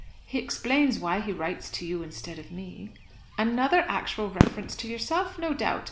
"He explains why he writes to you instead of me." "Another actual reference to yourself, no doubt.